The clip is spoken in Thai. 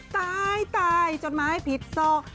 ตายตายจดหมายผิดซอง